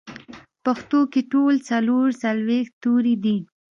پښتو کې ټول څلور څلوېښت توري دي